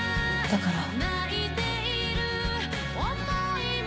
だから？